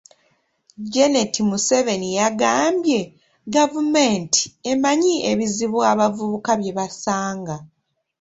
Janet Museveni yagambye, gavumenti emanyi ebizibu abavuka bye basanga.